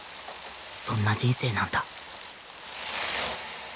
そんな人生なんだ